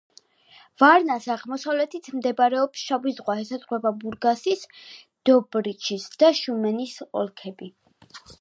ვარნას აღმოსავლეთით მდებარეობს შავი ზღვა, ესაზღვრება ბურგასის, დობრიჩის და შუმენის ოლქები.